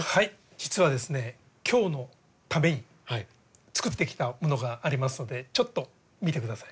実はですね今日のために作ってきたものがありますのでちょっと見てください。